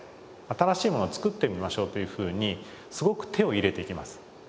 新しいものを作ってみましょうというふうにすごく手を入れていきます。